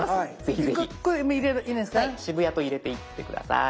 はい渋谷と入れていって下さい。